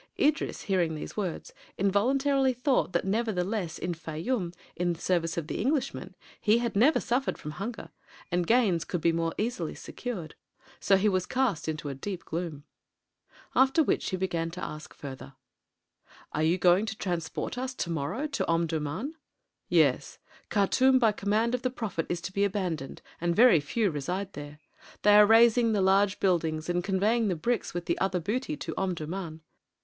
Idris, hearing these words, involuntarily thought that nevertheless in Fayûm, in the service of the Englishmen, he had never suffered from hunger, and gains could be more easily secured; so he was cast into a deep gloom. After which he began to ask further: "Are you going to transport us to morrow to Omdurmân?" "Yes. Khartûm by command of the prophet is to be abandoned and very few reside there. They are razing the large buildings and conveying the bricks with the other booty to Omdurmân.